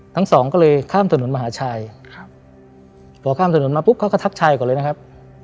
ทั้งสองก็เลยข้ามถนนมหาชัยครับพอข้ามถนนมาปุ๊บเขาก็ทักชัยก่อนเลยนะครับ